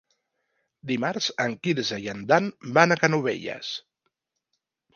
Dimarts en Quirze i en Dan van a Canovelles.